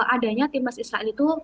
adanya timnas israel itu